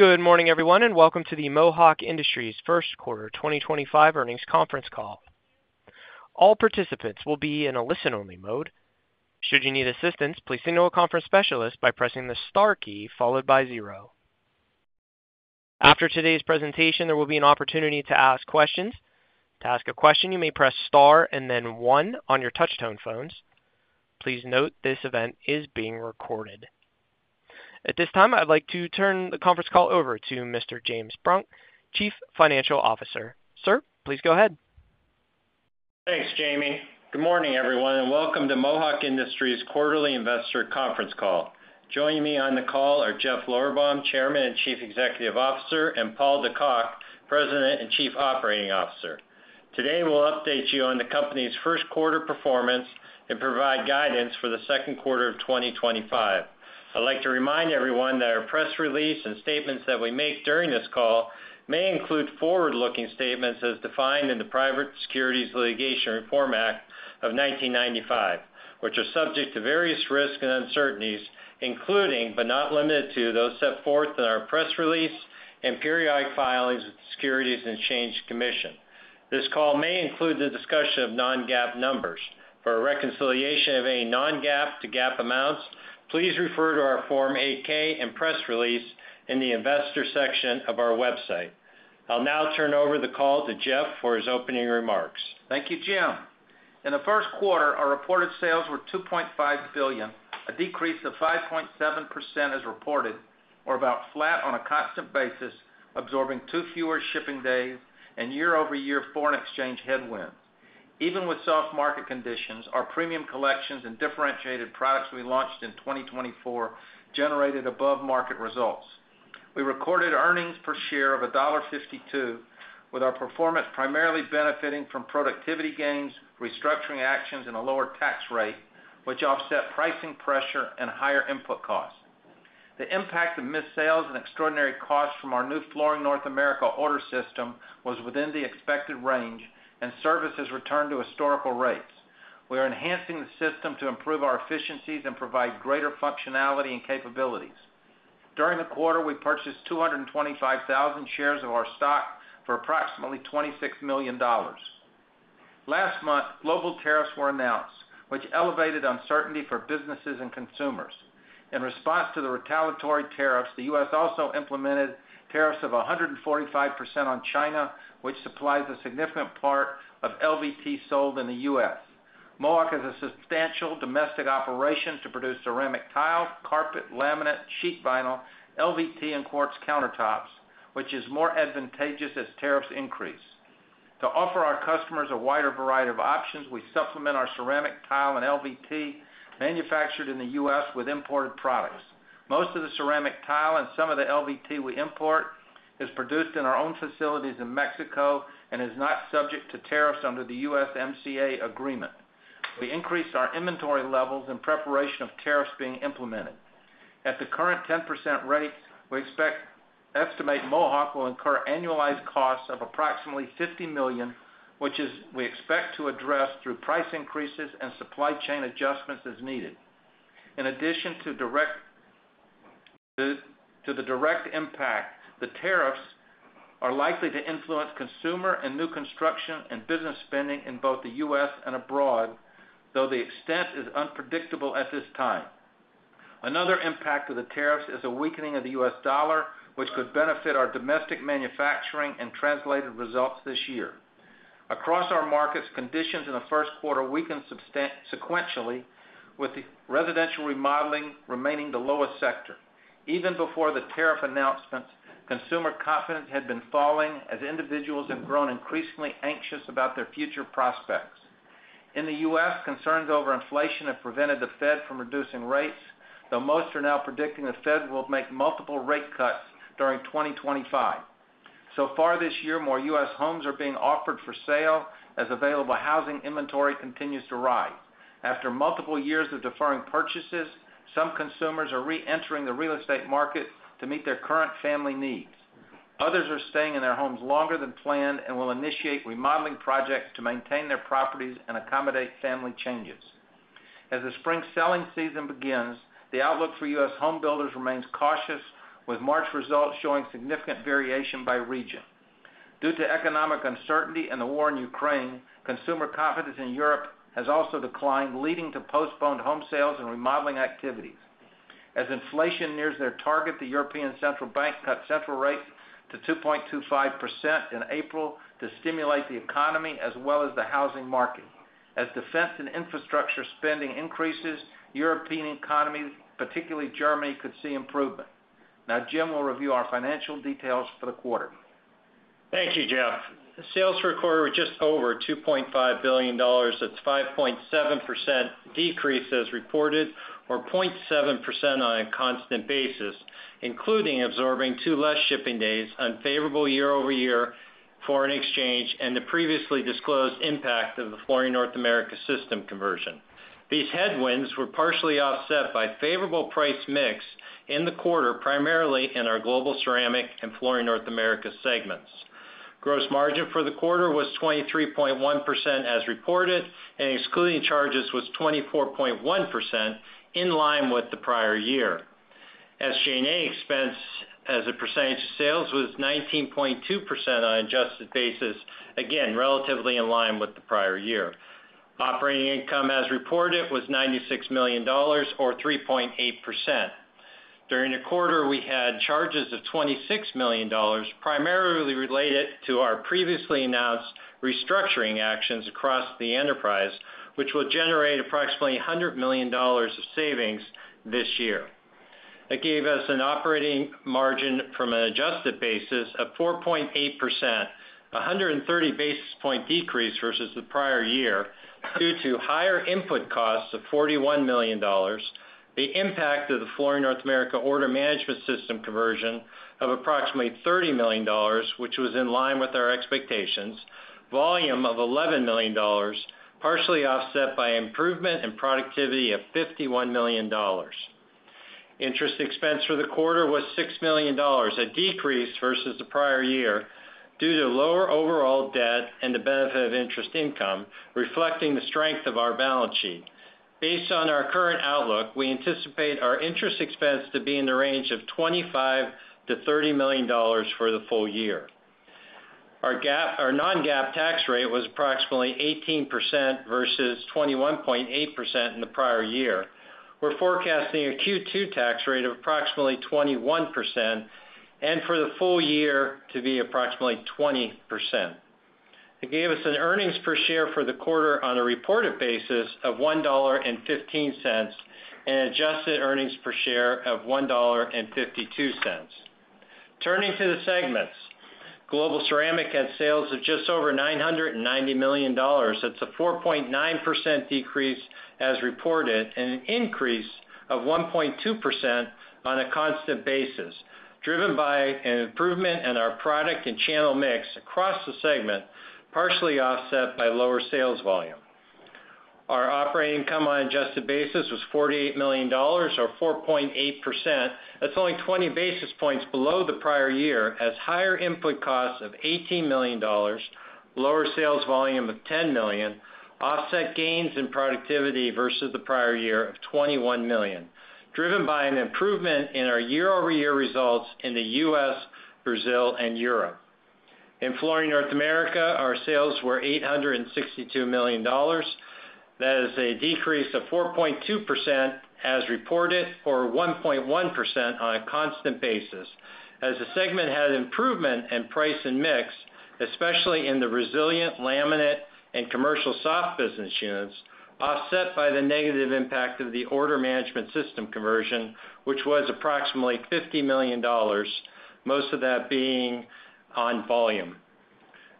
Good morning, everyone, and welcome to the Mohawk Industries First Quarter 2025 Earnings Conference Call. All participants will be in a listen-only mode. Should you need assistance, please signal a conference specialist by pressing the star key followed by zero. After today's presentation, there will be an opportunity to ask questions. To ask a question, you may press star and then one on your touch-tone phones. Please note this event is being recorded. At this time, I'd like to turn the conference call over to Mr. James Brunk, Chief Financial Officer. Sir, please go ahead. Thanks, Jamie. Good morning, everyone, and welcome to Mohawk Industries Quarterly Investor Conference Call. Joining me on the call are Jeff Lorberbaum, Chairman and Chief Executive Officer, and Paul De Cock, President and Chief Operating Officer. Today, we'll update you on the company's first quarter performance and provide guidance for the second quarter of 2025. I'd like to remind everyone that our press release and statements that we make during this call may include forward-looking statements as defined in the Private Securities Litigation Reform Act of 1995, which are subject to various risks and uncertainties, including but not limited to those set forth in our press release and periodic filings with the Securities and Exchange Commission. This call may include the discussion of non-GAAP numbers. For a reconciliation of any non-GAAP to GAAP amounts, please refer to our Form 8-K and press release in the investor section of our website. I'll now turn over the call to Jeff for his opening remarks. Thank you, Jim. In the first quarter, our reported sales were $2.5 billion, a decrease of 5.7% as reported, or about flat on a constant basis, absorbing two fewer shipping days and year-over-year foreign exchange headwinds. Even with soft market conditions, our premium collections and differentiated products we launched in 2024 generated above-market results. We recorded earnings per share of $1.52, with our performance primarily benefiting from productivity gains, restructuring actions, and a lower tax rate, which offset pricing pressure and higher input costs. The impact of missed sales and extraordinary costs from our new Flooring North America order system was within the expected range, and service has returned to historical rates. We are enhancing the system to improve our efficiencies and provide greater functionality and capabilities. During the quarter, we purchased 225,000 shares of our stock for approximately $26 million. Last month, global tariffs were announced, which elevated uncertainty for businesses and consumers. In response to the retaliatory tariffs, the U.S. also implemented tariffs of 145% on China, which supplies a significant part of LVT sold in the U.S. Mohawk has a substantial domestic operation to produce ceramic tile, carpet, laminate, sheet vinyl, LVT, and quartz countertops, which is more advantageous as tariffs increase. To offer our customers a wider variety of options, we supplement our ceramic tile and LVT manufactured in the U.S. with imported products. Most of the ceramic tile and some of the LVT we import is produced in our own facilities in Mexico and is not subject to tariffs under the USMCA agreement. We increased our inventory levels in preparation of tariffs being implemented. At the current 10% rates, we estimate Mohawk will incur annualized costs of approximately $50 million, which we expect to address through price increases and supply chain adjustments as needed. In addition to the direct impact, the tariffs are likely to influence consumer and new construction and business spending in both the U.S. and abroad, though the extent is unpredictable at this time. Another impact of the tariffs is a weakening of the U.S. dollar, which could benefit our domestic manufacturing and translated results this year. Across our markets, conditions in the first quarter weakened sequentially, with residential remodeling remaining the lowest sector. Even before the tariff announcements, consumer confidence had been falling as individuals had grown increasingly anxious about their future prospects. In the U.S., concerns over inflation have prevented the Fed from reducing rates, though most are now predicting the Fed will make multiple rate cuts during 2025. So far this year, more U.S. homes are being offered for sale as available housing inventory continues to rise. After multiple years of deferring purchases, some consumers are re-entering the real estate market to meet their current family needs. Others are staying in their homes longer than planned and will initiate remodeling projects to maintain their properties and accommodate family changes. As the spring selling season begins, the outlook for U.S. homebuilders remains cautious, with March results showing significant variation by region. Due to economic uncertainty and the war in Ukraine, consumer confidence in Europe has also declined, leading to postponed home sales and remodeling activities. As inflation nears their target, the European Central Bank cut central rates to 2.25% in April to stimulate the economy as well as the housing market. As defense and infrastructure spending increases, the European economy, particularly Germany, could see improvement. Now, Jim will review our financial details for the quarter. Thank you, Jeff. Sales for the quarter were just over $2.5 billion. That's a 5.7% decrease as reported, or 0.7% on a constant basis, including absorbing two less shipping days, unfavorable year-over-year foreign exchange, and the previously disclosed impact of the Flooring North America system conversion. These headwinds were partially offset by a favorable price mix in the quarter, primarily in our Global Ceramic and Flooring North America segments. Gross margin for the quarter was 23.1% as reported, and excluding charges was 24.1%, in line with the prior year. SG&A expense, as a percentage of sales, was 19.2% on an adjusted basis, again, relatively in line with the prior year. Operating income, as reported, was $96 million, or 3.8%. During the quarter, we had charges of $26 million, primarily related to our previously announced restructuring actions across the enterprise, which will generate approximately $100 million of savings this year. It gave us an operating margin from an adjusted basis of 4.8%, a 130 basis point decrease versus the prior year, due to higher input costs of $41 million, the impact of the Flooring North America order management system conversion of approximately $30 million, which was in line with our expectations, volume of $11 million, partially offset by improvement in productivity of $51 million. Interest expense for the quarter was $6 million, a decrease versus the prior year, due to lower overall debt and the benefit of interest income, reflecting the strength of our balance sheet. Based on our current outlook, we anticipate our interest expense to be in the range of $25 million-$30 million for the full year. Our non-GAAP tax rate was approximately 18% versus 21.8% in the prior year. We're forecasting a Q2 tax rate of approximately 21% and for the full year to be approximately 20%. It gave us an earnings per share for the quarter on a reported basis of $1.15 and adjusted earnings per share of $1.52. Turning to the segments, Global Ceramic had sales of just over $990 million. That's a 4.9% decrease as reported and an increase of 1.2% on a constant basis, driven by an improvement in our product and channel mix across the segment, partially offset by lower sales volume. Our operating income on an adjusted basis was $48 million, or 4.8%. That's only 20 basis points below the prior year, as higher input costs of $18 million, lower sales volume of $10 million, offset gains in productivity versus the prior year of $21 million, driven by an improvement in our year-over-year results in the U.S., Brazil, and Europe. In Flooring North America, our sales were $862 million. That is a decrease of 4.2% as reported, or 1.1% on a constant basis. As the segment had improvement in price and mix, especially in the resilient laminate and commercial soft business units, offset by the negative impact of the order management system conversion, which was approximately $50 million, most of that being on volume.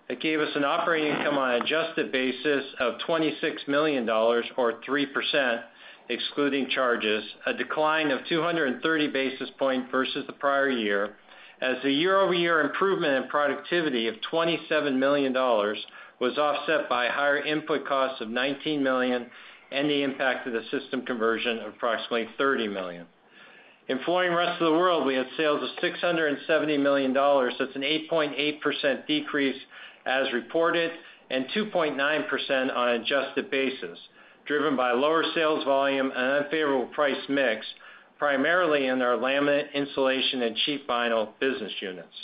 It gave us an operating income on an adjusted basis of $26 million, or 3%, excluding charges, a decline of 230 basis points versus the prior year, as the year-over-year improvement in productivity of $27 million was offset by higher input costs of $19 million and the impact of the system conversion of approximately $30 million. In Flooring Rest of the World, we had sales of $670 million. That's an 8.8% decrease as reported and 2.9% on an adjusted basis, driven by lower sales volume and unfavorable price mix, primarily in our laminate, insulation, and sheet vinyl business units.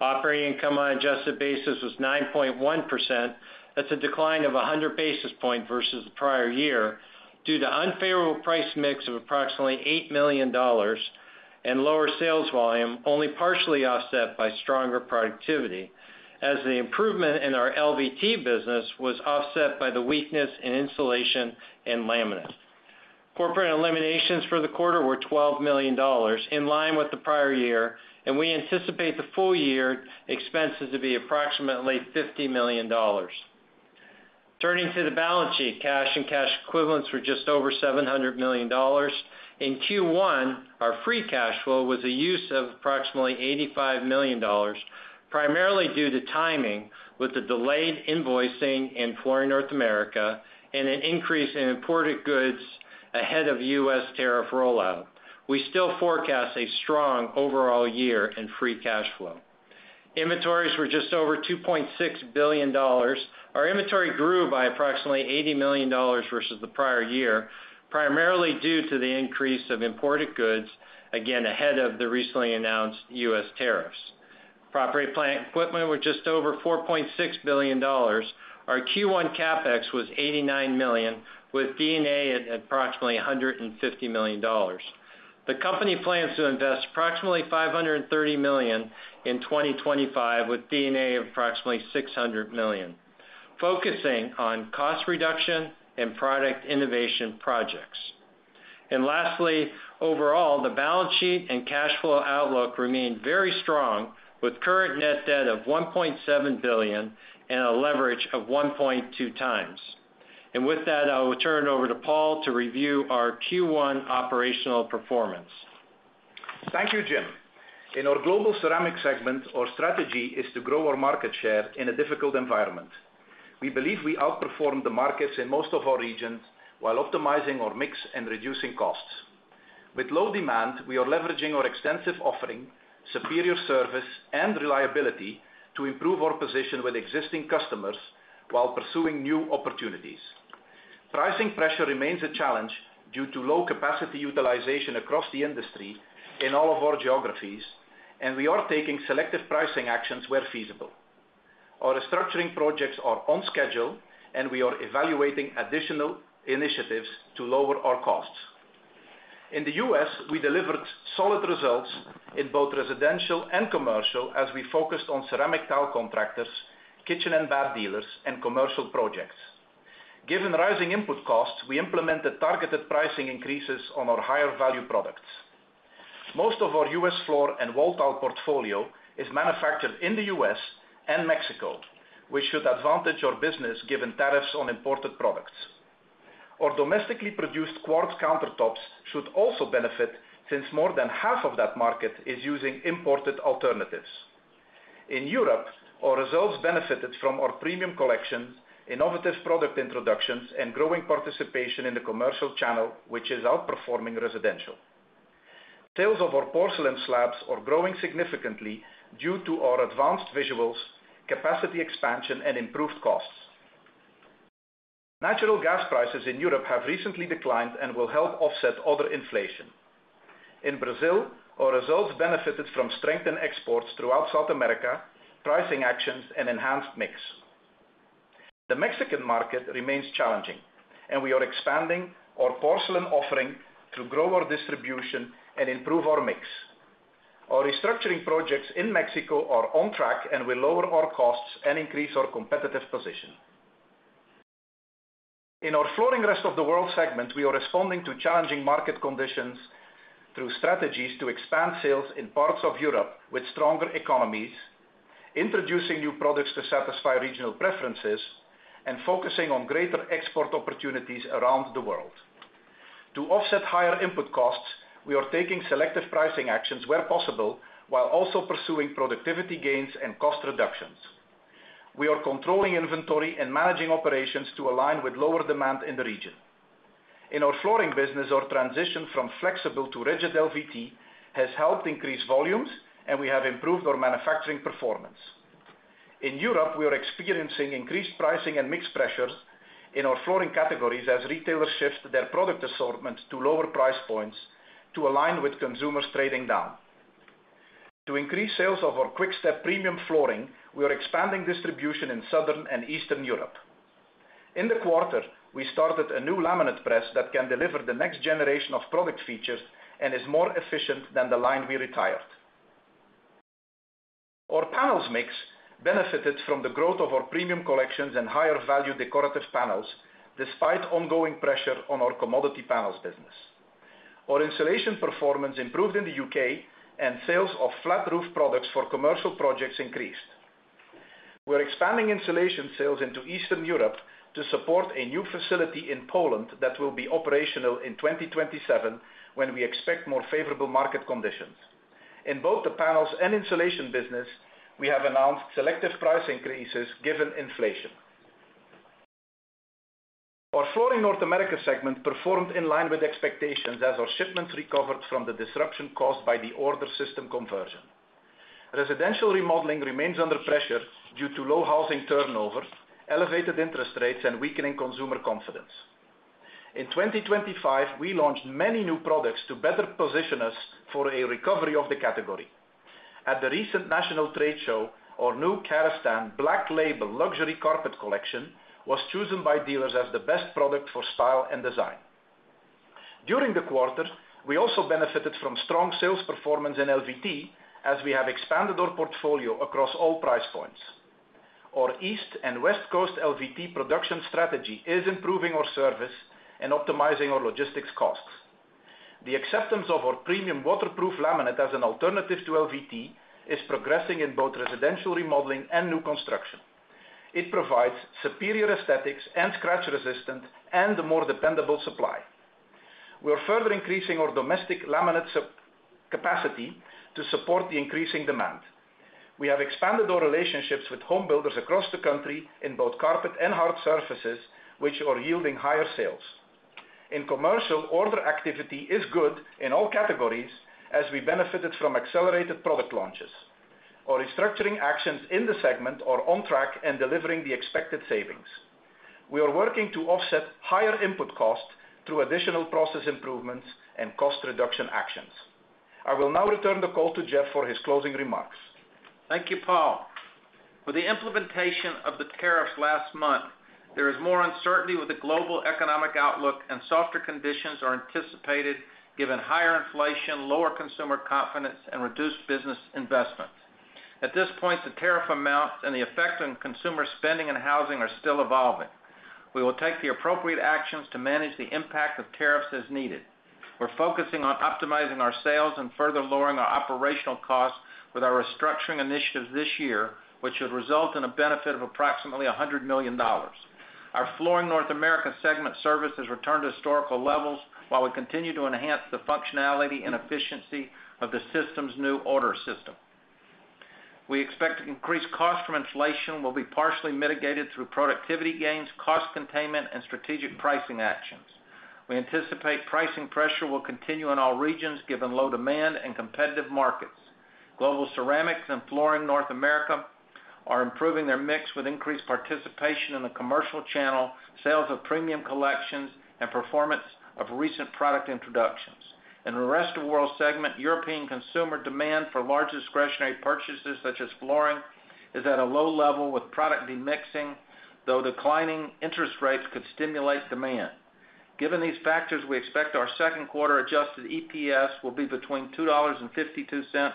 Operating income on an adjusted basis was 9.1%. That's a decline of 100 basis points versus the prior year, due to unfavorable price mix of approximately $8 million and lower sales volume, only partially offset by stronger productivity, as the improvement in our LVT business was offset by the weakness in insulation and laminate. Corporate eliminations for the quarter were $12 million, in line with the prior year, and we anticipate the full year expenses to be approximately $50 million. Turning to the balance sheet, cash and cash equivalents were just over $700 million. In Q1, our free cash flow was a use of approximately $85 million, primarily due to timing with the delayed invoicing in Flooring North America and an increase in imported goods ahead of U.S. tariff rollout. We still forecast a strong overall year in free cash flow. Inventories were just over $2.6 billion. Our inventory grew by approximately $80 million versus the prior year, primarily due to the increase of imported goods, again, ahead of the recently announced U.S. tariffs. Property plant equipment were just over $4.6 billion. Our Q1 CapEx was $89 million, with D&A at approximately $150 million. The company plans to invest approximately $530 million in 2025, with D&A of approximately $600 million, focusing on cost reduction and product innovation projects. Lastly, overall, the balance sheet and cash flow outlook remained very strong, with current net debt of $1.7 billion and a leverage of 1.2x. With that, I will turn it over to Paul to review our Q1 operational performance. Thank you, Jim. In our Global Ceramic segment, our strategy is to grow our market share in a difficult environment. We believe we outperform the markets in most of our regions while optimizing our mix and reducing costs. With low demand, we are leveraging our extensive offering, superior service, and reliability to improve our position with existing customers while pursuing new opportunities. Pricing pressure remains a challenge due to low capacity utilization across the industry in all of our geographies, and we are taking selective pricing actions where feasible. Our restructuring projects are on schedule, and we are evaluating additional initiatives to lower our costs. In the U.S., we delivered solid results in both residential and commercial as we focused on ceramic tile contractors, kitchen and bath dealers, and commercial projects. Given rising input costs, we implemented targeted pricing increases on our higher-value products. Most of our U.S. Floor and wall tile portfolio is manufactured in the U.S. and Mexico, which should advantage our business given tariffs on imported products. Our domestically produced quartz countertops should also benefit since more than half of that market is using imported alternatives. In Europe, our results benefited from our premium collection, innovative product introductions, and growing participation in the commercial channel, which is outperforming residential. Sales of our porcelain slabs are growing significantly due to our advanced visuals, capacity expansion, and improved costs. Natural gas prices in Europe have recently declined and will help offset other inflation. In Brazil, our results benefited from strengthened exports throughout South America, pricing actions, and enhanced mix. The Mexican market remains challenging, and we are expanding our porcelain offering to grow our distribution and improve our mix. Our restructuring projects in Mexico are on track and will lower our costs and increase our competitive position. In our Flooring Rest of the World segment, we are responding to challenging market conditions through strategies to expand sales in parts of Europe with stronger economies, introducing new products to satisfy regional preferences, and focusing on greater export opportunities around the world. To offset higher input costs, we are taking selective pricing actions where possible while also pursuing productivity gains and cost reductions. We are controlling inventory and managing operations to align with lower demand in the region. In our flooring business, our transition from flexible to rigid LVT has helped increase volumes, and we have improved our manufacturing performance. In Europe, we are experiencing increased pricing and mixed pressures in our flooring categories as retailers shift their product assortment to lower price points to align with consumers trading down. To increase sales of our Quick-Step premium flooring, we are expanding distribution in Southern and Eastern Europe. In the quarter, we started a new laminate press that can deliver the next generation of product features and is more efficient than the line we retired. Our panels mix benefited from the growth of our premium collections and higher-value decorative panels, despite ongoing pressure on our commodity panels business. Our insulation performance improved in the U.K., and sales of flat roof products for commercial projects increased. We're expanding insulation sales into Eastern Europe to support a new facility in Poland that will be operational in 2027 when we expect more favorable market conditions. In both the panels and insulation business, we have announced selective price increases given inflation. Our Flooring North America segment performed in line with expectations as our shipments recovered from the disruption caused by the order system conversion. Residential remodeling remains under pressure due to low housing turnover, elevated interest rates, and weakening consumer confidence. In 2025, we launched many new products to better position us for a recovery of the category. At the recent national trade show, our new Karastan Black Label luxury carpet collection was chosen by dealers as the best product for style and design. During the quarter, we also benefited from strong sales performance in LVT as we have expanded our portfolio across all price points. Our East and West Coast LVT production strategy is improving our service and optimizing our logistics costs. The acceptance of our premium waterproof laminate as an alternative to LVT is progressing in both residential remodeling and new construction. It provides superior aesthetics and scratch-resistant and more dependable supply. We are further increasing our domestic laminate capacity to support the increasing demand. We have expanded our relationships with homebuilders across the country in both carpet and hard surfaces, which are yielding higher sales. In commercial, order activity is good in all categories as we benefited from accelerated product launches. Our restructuring actions in the segment are on track and delivering the expected savings. We are working to offset higher input costs through additional process improvements and cost reduction actions. I will now return the call to Jeff for his closing remarks. Thank you, Paul. With the implementation of the tariffs last month, there is more uncertainty with the global economic outlook, and softer conditions are anticipated given higher inflation, lower consumer confidence, and reduced business investment. At this point, the tariff amounts and the effect on consumer spending and housing are still evolving. We will take the appropriate actions to manage the impact of tariffs as needed. We're focusing on optimizing our sales and further lowering our operational costs with our restructuring initiatives this year, which should result in a benefit of approximately $100 million. Our Flooring North America segment service has returned to historical levels while we continue to enhance the functionality and efficiency of the system's new order system. We expect increased costs from inflation will be partially mitigated through productivity gains, cost containment, and strategic pricing actions. We anticipate pricing pressure will continue in all regions given low demand and competitive markets. Global Ceramic and Flooring North America are improving their mix with increased participation in the commercial channel, sales of premium collections, and performance of recent product introductions. In the Rest of the World segment, European consumer demand for large discretionary purchases such as flooring is at a low level with product remixing, though declining interest rates could stimulate demand. Given these factors, we expect our second quarter adjusted EPS will be between $2.52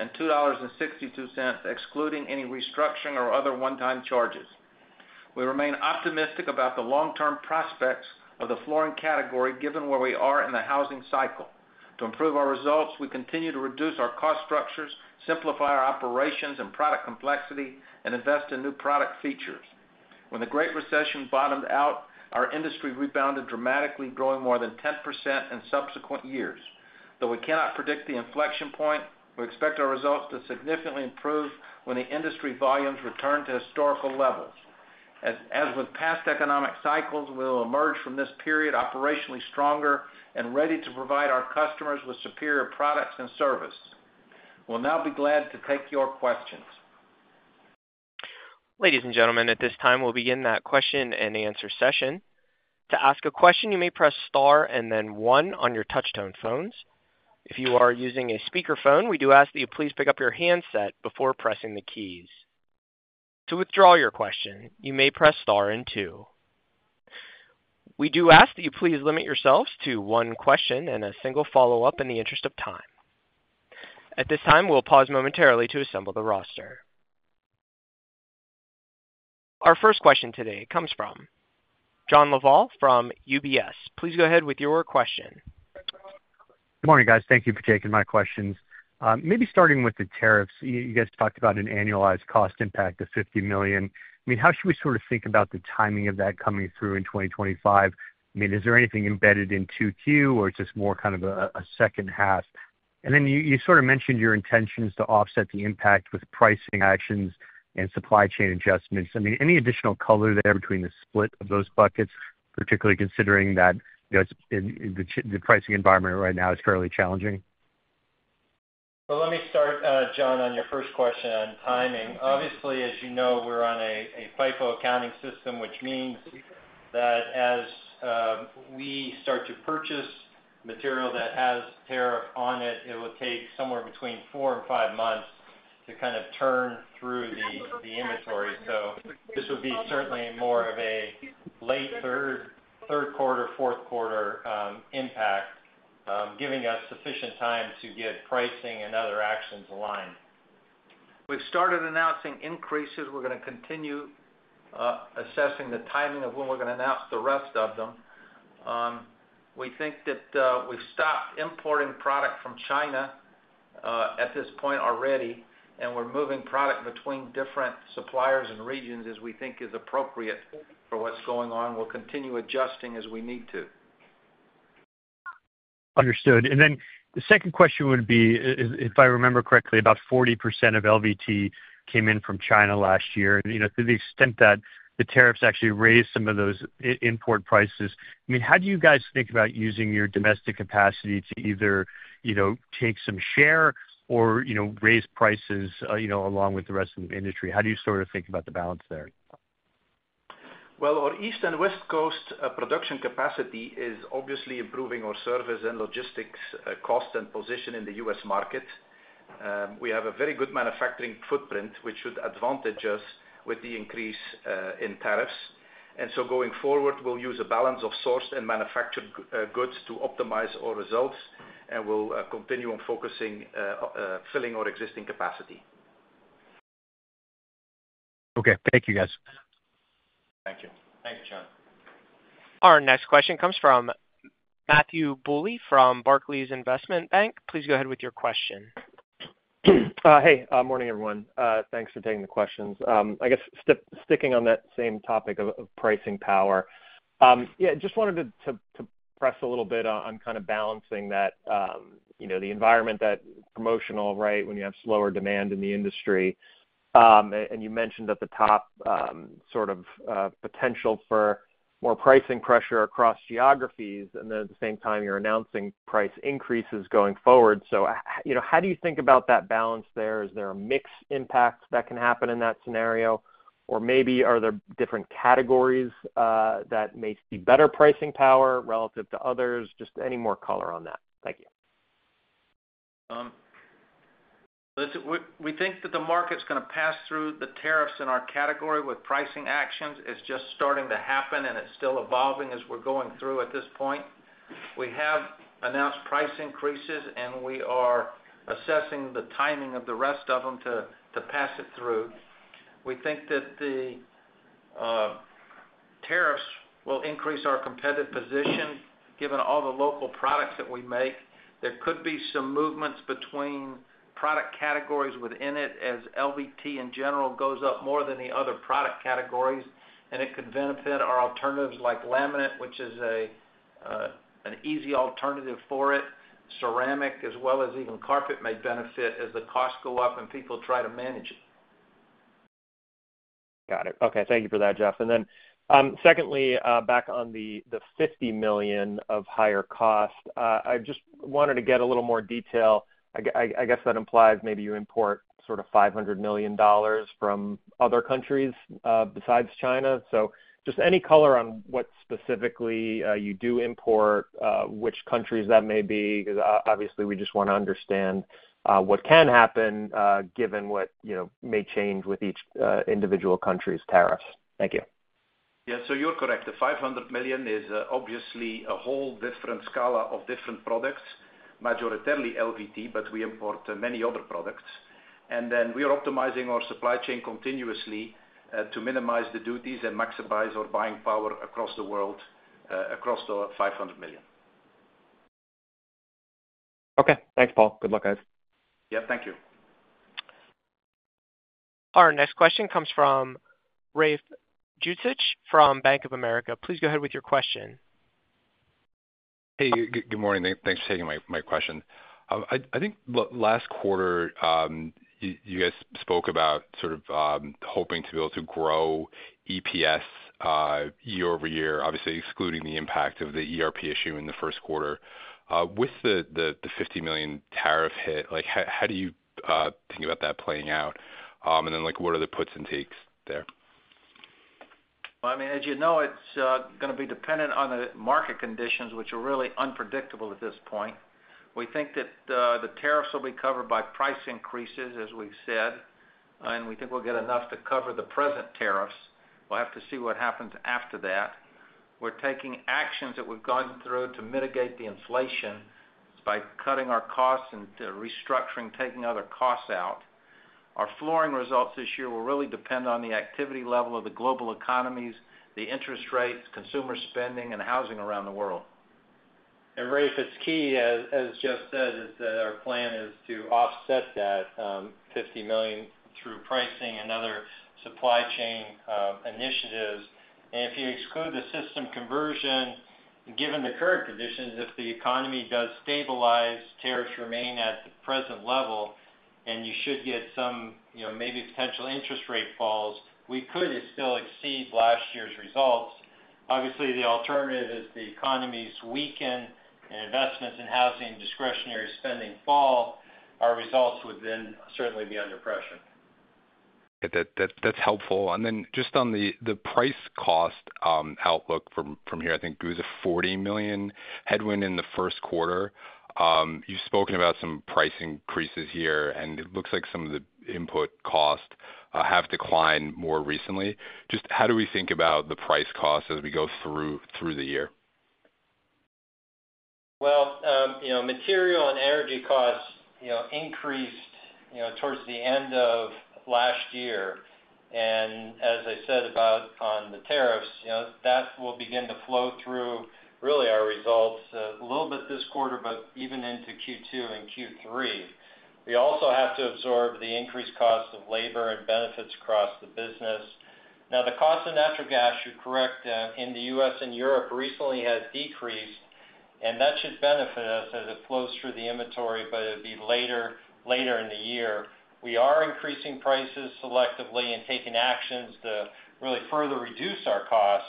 and $2.62, excluding any restructuring or other one-time charges. We remain optimistic about the long-term prospects of the flooring category given where we are in the housing cycle. To improve our results, we continue to reduce our cost structures, simplify our operations and product complexity, and invest in new product features. When the Great Recession bottomed out, our industry rebounded dramatically, growing more than 10% in subsequent years. Though we cannot predict the inflection point, we expect our results to significantly improve when the industry volumes return to historical levels. As with past economic cycles, we will emerge from this period operationally stronger and ready to provide our customers with superior products and service. We will now be glad to take your questions. Ladies and gentlemen, at this time, we'll begin that question and answer session. To ask a question, you may press star and then one on your touch-tone phones. If you are using a speakerphone, we do ask that you please pick up your handset before pressing the keys. To withdraw your question, you may press star and two. We do ask that you please limit yourselves to one question and a single follow-up in the interest of time. At this time, we'll pause momentarily to assemble the roster. Our first question today comes from John Lovallo from UBS. Please go ahead with your question. Good morning, guys. Thank you for taking my questions. Maybe starting with the tariffs, you guys talked about an annualized cost impact of $50 million. I mean, how should we sort of think about the timing of that coming through in 2025? I mean, is there anything embedded in Q2, or is this more kind of a second half? You sort of mentioned your intentions to offset the impact with pricing actions and supply chain adjustments. I mean, any additional color there between the split of those buckets, particularly considering that the pricing environment right now is fairly challenging? Let me start, John, on your first question on timing. Obviously, as you know, we're on a FIFO accounting system, which means that as we start to purchase material that has tariff on it, it will take somewhere between four and five months to kind of turn through the inventory. This would be certainly more of a late third quarter, fourth quarter impact, giving us sufficient time to get pricing and other actions aligned. We've started announcing increases. We're going to continue assessing the timing of when we're going to announce the rest of them. We think that we've stopped importing product from China at this point already, and we're moving product between different suppliers and regions as we think is appropriate for what's going on. We'll continue adjusting as we need to. Understood. Then the second question would be, if I remember correctly, about 40% of LVT came in from China last year. To the extent that the tariffs actually raised some of those import prices, I mean, how do you guys think about using your domestic capacity to either take some share or raise prices along with the rest of the industry? How do you sort of think about the balance there? Our East and West Coast production capacity is obviously improving our service and logistics cost and position in the U.S. market. We have a very good manufacturing footprint, which should advantage us with the increase in tariffs. Going forward, we'll use a balance of sourced and manufactured goods to optimize our results, and we'll continue on focusing on filling our existing capacity. Okay. Thank you, guys. Thank you. Thanks, John. Our next question comes from Matthew Bouley from Barclays Investment Bank. Please go ahead with your question. Hey. Morning, everyone. Thanks for taking the questions. I guess sticking on that same topic of pricing power. Yeah, just wanted to press a little bit on kind of balancing that, the environment that promotional, right, when you have slower demand in the industry. You mentioned at the top sort of potential for more pricing pressure across geographies, and then at the same time, you're announcing price increases going forward. How do you think about that balance there? Is there a mixed impact that can happen in that scenario? Maybe are there different categories that may see better pricing power relative to others? Just any more color on that. Thank you. Listen, we think that the market's going to pass through the tariffs in our category with pricing actions. It's just starting to happen, and it's still evolving as we're going through at this point. We have announced price increases, and we are assessing the timing of the rest of them to pass it through. We think that the tariffs will increase our competitive position given all the local products that we make. There could be some movements between product categories within it as LVT, in general, goes up more than the other product categories, and it could benefit our alternatives like laminate, which is an easy alternative for it. Ceramic, as well as even carpet, may benefit as the costs go up and people try to manage it. Got it. Okay. Thank you for that, Jeff. Secondly, back on the $50 million of higher cost, I just wanted to get a little more detail. I guess that implies maybe you import sort of $500 million from other countries besides China. Just any color on what specifically you do import, which countries that may be, because obviously we just want to understand what can happen given what may change with each individual country's tariffs. Thank you. Yeah. You're correct. The $500 million is obviously a whole different scale of different products, majority LVT, but we import many other products. We are optimizing our supply chain continuously to minimize the duties and maximize our buying power across the world, across the $500 million. Okay. Thanks, Paul. Good luck, guys. Yeah. Thank you. Our next question comes from Rafe Jadrosich from Bank of America. Please go ahead with your question. Hey, good morning. Thanks for taking my question. I think last quarter, you guys spoke about sort of hoping to be able to grow EPS year-over-year, obviously excluding the impact of the ERP issue in the first quarter. With the $50 million tariff hit, how do you think about that playing out? What are the puts and takes there? I mean, as you know, it's going to be dependent on the market conditions, which are really unpredictable at this point. We think that the tariffs will be covered by price increases, as we've said, and we think we'll get enough to cover the present tariffs. We'll have to see what happens after that. We're taking actions that we've gone through to mitigate the inflation by cutting our costs and restructuring, taking other costs out. Our flooring results this year will really depend on the activity level of the global economies, the interest rates, consumer spending, and housing around the world. Rafe, it's key, as Jeff said, is that our plan is to offset that $50 million through pricing and other supply chain initiatives. If you exclude the system conversion, given the current conditions, if the economy does stabilize, tariffs remain at the present level, and you should get some maybe potential interest rate falls, we could still exceed last year's results. Obviously, the alternative is the economy's weaken and investments in housing and discretionary spending fall. Our results would then certainly be under pressure. That's helpful. Just on the price-cost outlook from here, I think it was a $40 million headwind in the first quarter. You've spoken about some price increases here, and it looks like some of the input costs have declined more recently. Just how do we think about the price costs as we go through the year? Material and energy costs increased towards the end of last year. As I said about on the tariffs, that will begin to flow through really our results a little bit this quarter, but even into Q2 and Q3. We also have to absorb the increased cost of labor and benefits across the business. Now, the cost of natural gas, you're correct, in the U.S. and Europe recently has decreased, and that should benefit us as it flows through the inventory, but it'll be later in the year. We are increasing prices selectively and taking actions to really further reduce our costs.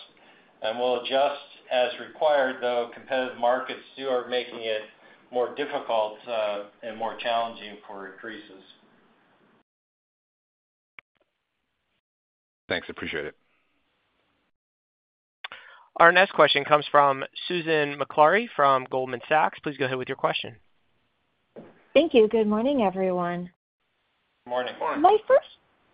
We'll adjust as required, though competitive markets do are making it more difficult and more challenging for increases. Thanks. Appreciate it. Our next question comes from Susan Maklari from Goldman Sachs. Please go ahead with your question. Thank you. Good morning, everyone. Good morning. Morning.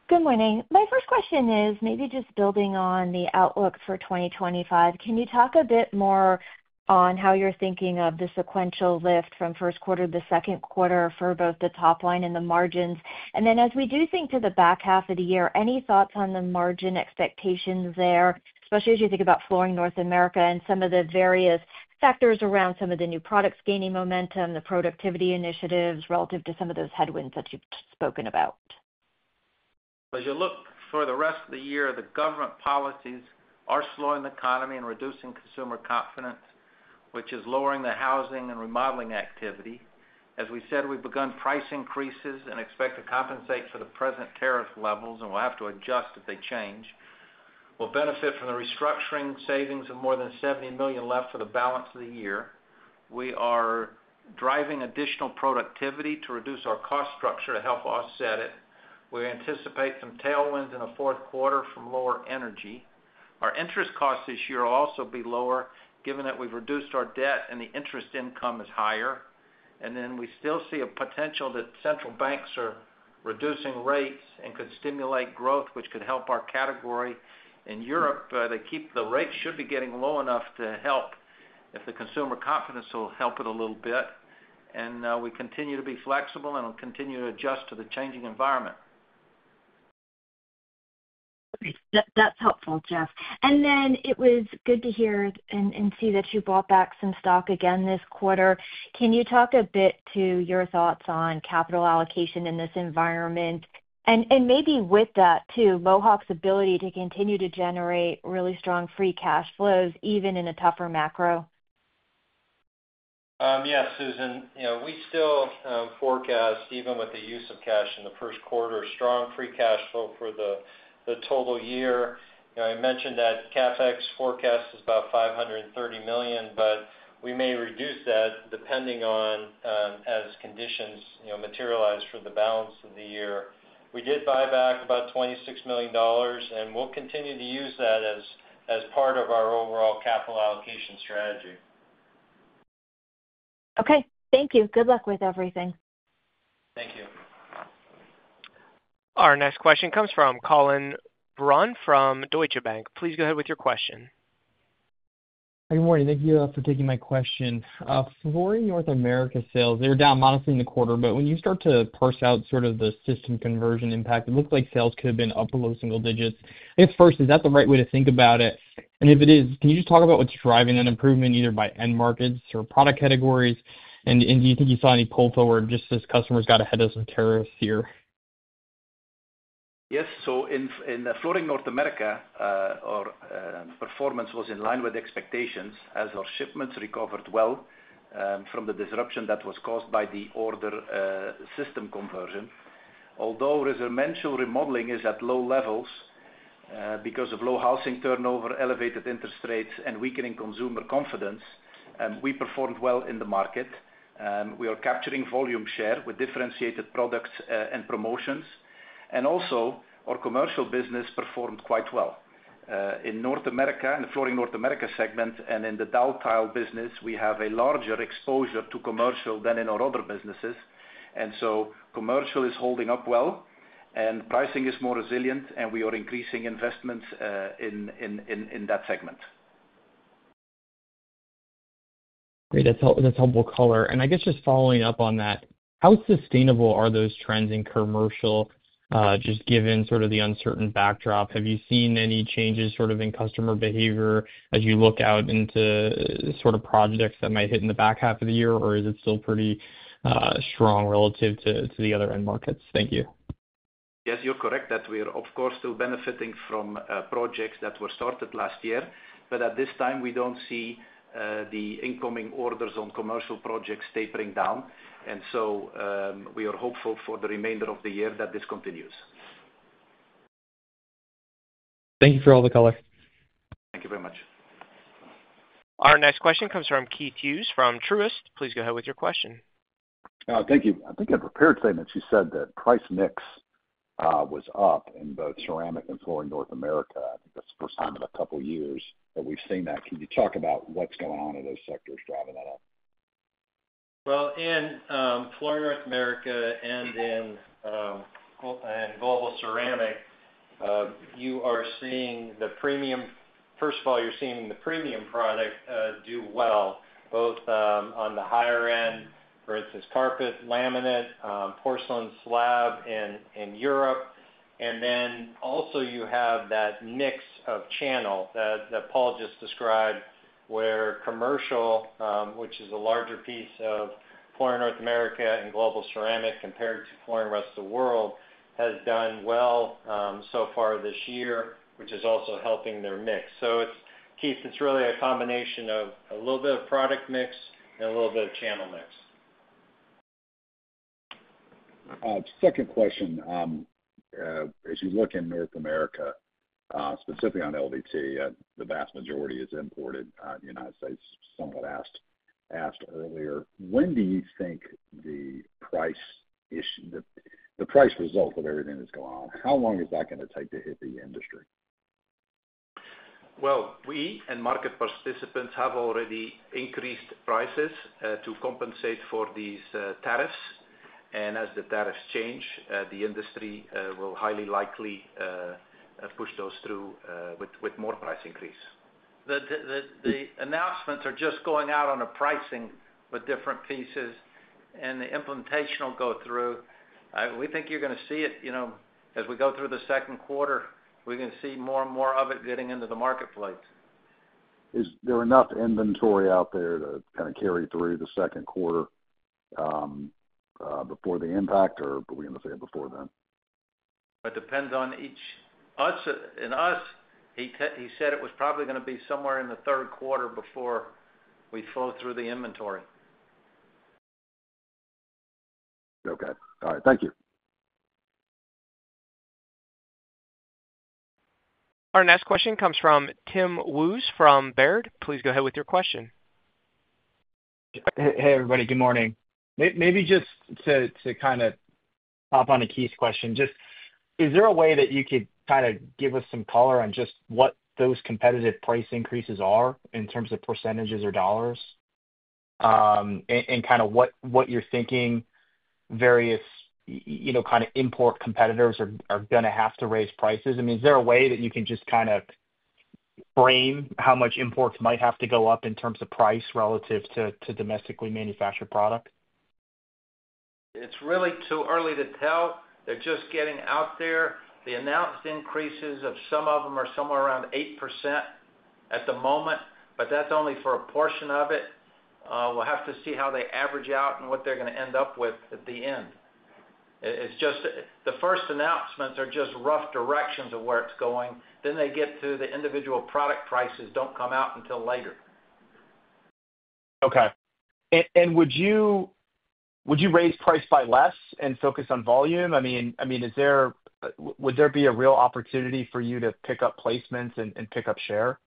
Good morning. My first question is maybe just building on the outlook for 2025. Can you talk a bit more on how you're thinking of the sequential lift from first quarter to the second quarter for both the top line and the margins? As we do think to the back half of the year, any thoughts on the margin expectations there, especially as you think about Flooring North America and some of the various factors around some of the new products gaining momentum, the productivity initiatives relative to some of those headwinds that you've spoken about? As you look for the rest of the year, the government policies are slowing the economy and reducing consumer confidence, which is lowering the housing and remodeling activity. As we said, we've begun price increases and expect to compensate for the present tariff levels, and we'll have to adjust if they change. We'll benefit from the restructuring savings of more than $70 million left for the balance of the year. We are driving additional productivity to reduce our cost structure to help offset it. We anticipate some tailwinds in the fourth quarter from lower energy. Our interest costs this year will also be lower given that we've reduced our debt and the interest income is higher. We still see a potential that central banks are reducing rates and could stimulate growth, which could help our category. In Europe, they keep the rates should be getting low enough to help if the consumer confidence will help it a little bit. We continue to be flexible and will continue to adjust to the changing environment. Okay. That's helpful, Jeff. It was good to hear and see that you bought back some stock again this quarter. Can you talk a bit to your thoughts on capital allocation in this environment? Maybe with that too, Mohawk's ability to continue to generate really strong free cash flows even in a tougher macro? Yes, Susan. We still forecast, even with the use of cash in the first quarter, strong free cash flow for the total year. I mentioned that CapEx forecast is about $530 million, but we may reduce that depending on as conditions materialize for the balance of the year. We did buy back about $26 million, and we'll continue to use that as part of our overall capital allocation strategy. Okay. Thank you. Good luck with everything. Our next question comes from Collin Verron from Deutsche Bank. Please go ahead with your question. Hi, good morning. Thank you for taking my question. For North America sales, they were down modestly in the quarter, but when you start to parse out sort of the system conversion impact, it looked like sales could have been up low single digits. I guess first, is that the right way to think about it? If it is, can you just talk about what's driving that improvement either by end markets or product categories? Do you think you saw any pull forward just as customers got ahead of some tariffs here? Yes. In the Flooring North America, our performance was in line with expectations as our shipments recovered well from the disruption that was caused by the order system conversion. Although residential remodeling is at low levels because of low housing turnover, elevated interest rates, and weakening consumer confidence, we performed well in the market. We are capturing volume share with differentiated products and promotions. Also, our commercial business performed quite well. In North America, in the Flooring North America segment and in the Daltile business, we have a larger exposure to commercial than in our other businesses. Commercial is holding up well, and pricing is more resilient, and we are increasing investments in that segment. Great. That's helpful color. I guess just following up on that, how sustainable are those trends in commercial just given sort of the uncertain backdrop? Have you seen any changes sort of in customer behavior as you look out into sort of projects that might hit in the back half of the year, or is it still pretty strong relative to the other end markets? Thank you. Yes, you're correct that we are, of course, still benefiting from projects that were started last year, but at this time, we don't see the incoming orders on commercial projects tapering down. We are hopeful for the remainder of the year that this continues. Thank you for all the color. Thank you very much. Our next question comes from Keith Hughes from Truist. Please go ahead with your question. Thank you. I think I prepared to say that you said that price mix was up in both Ceramic and Flooring North America. I think that's the first time in a couple of years that we've seen that. Can you talk about what's going on in those sectors driving that up? In Flooring North America and in Global Ceramic, you are seeing the premium, first of all, you are seeing the premium product do well, both on the higher end, for instance, carpet, laminate, porcelain, slab in Europe. Then also you have that mix of channel that Paul just described where commercial, which is a larger piece of Flooring North America and Global Ceramic compared to Flooring Rest of the World, has done well so far this year, which is also helping their mix. Keith, it is really a combination of a little bit of product mix and a little bit of channel mix. Second question. As you look in North America, specifically on LVT, the vast majority is imported in the United States, somewhat asked earlier. When do you think the price result of everything that's going on, how long is that going to take to hit the industry? We and market participants have already increased prices to compensate for these tariffs. As the tariffs change, the industry will highly likely push those through with more price increase. The announcements are just going out on a pricing with different pieces, and the implementation will go through. We think you're going to see it as we go through the second quarter. We're going to see more and more of it getting into the marketplace. Is there enough inventory out there to kind of carry through the second quarter before the impact, or are we going to see before then? It depends on each. In us, he said it was probably going to be somewhere in the third quarter before we flow through the inventory. Okay. All right. Thank you. Our next question comes from Tim Wojs from Baird. Please go ahead with your question. Hey, everybody. Good morning. Maybe just to kind of hop on to Keith's question, just is there a way that you could kind of give us some color on just what those competitive price increases are in terms of percentages or dollars and kind of what you're thinking various kind of import competitors are going to have to raise prices? I mean, is there a way that you can just kind of frame how much imports might have to go up in terms of price relative to domestically manufactured product? It's really too early to tell. They're just getting out there. The announced increases of some of them are somewhere around 8% at the moment, but that's only for a portion of it. We'll have to see how they average out and what they're going to end up with at the end. The first announcements are just rough directions of where it's going. They get to the individual product prices do not come out until later. Okay. Would you raise price by less and focus on volume? I mean, would there be a real opportunity for you to pick up placements and pick up share,